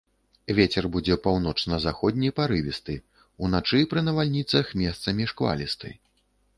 Вецер будзе паўночна-заходні парывісты, уначы пры навальніцах месцамі шквалісты.